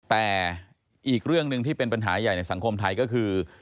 แต่อีกเรื่องหนึ่งที่เป็นปัญหาใหญ่ในสังคมไทยก็คือ